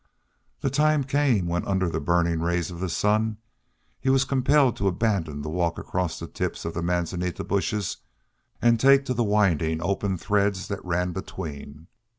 The time came when under the burning rays of the sun he was compelled to abandon the walk across the tips of the manzanita bushes and take to the winding, open threads that ran between.